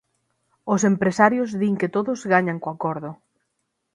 Os empresarios din que todos gañan co acordo.